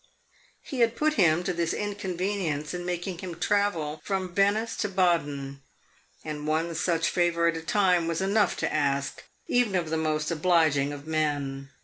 He had put him to this inconvenience in making him travel from Venice to Baden, and one such favor at a time was enough to ask, even of the most obliging of men.